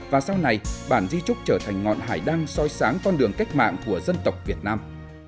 và sau này bản di trúc trở thành ngọn hải đăng soi sáng con đường cách mạng của dân tộc việt nam